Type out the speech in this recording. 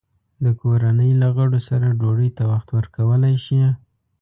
د کورنۍ له غړو سره ډوډۍ ته وخت ورکول شي؟